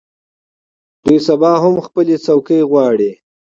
دوی سبا هم خپلې څوکۍ غواړي.